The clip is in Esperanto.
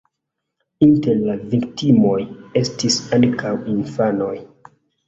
Inter la viktimoj estis ankaŭ infanoj.